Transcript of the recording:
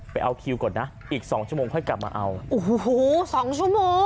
เอาคิวก่อนนะอีกสองชั่วโมงค่อยกลับมาเอาโอ้โหสองชั่วโมง